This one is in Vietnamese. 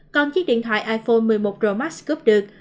còn chiếc điện thoại iphone một mươi một pro max cướp được